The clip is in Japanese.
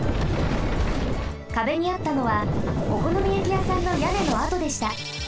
かべにあったのはおこのみやきやさんのやねのあとでした。